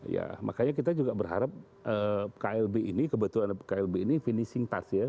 ya makanya kita juga berharap klb ini kebetulan klb ini finishing touch ya